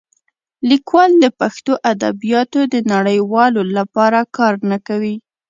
لیکوالان د پښتو ادبیاتو د نړیوالولو لپاره کار نه کوي.